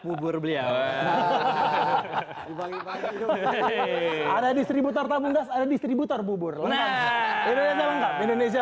bubur beliau hahaha ada distributor tabunggas ada distributor bubur indonesia lengkap indonesia